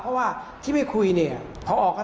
เพราะว่าที่ไม่คุยพ่อพักของเจ้าทำทำครับ